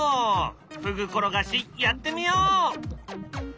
ふぐころがしやってみよう！